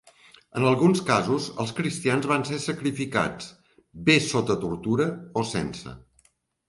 En alguns casos, els cristians van ser sacrificats, bé sota tortura o sense.